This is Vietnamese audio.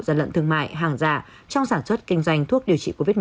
dân lận thương mại hàng giả trong sản xuất kinh doanh thuốc điều trị covid một mươi chín